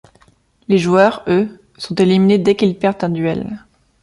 Les joueurs, eux, sont éliminés dès qu'ils perdent un duel.